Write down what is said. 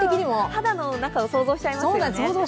肌の中を想像しちゃいますよね。